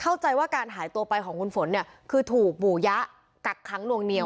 เข้าใจว่าการหายตัวไปของคุณฝนเนี่ยคือถูกหมู่ยะกักค้างนวงเหนียว